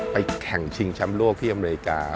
แข่งชิงแชมป์โลกที่อเมริกา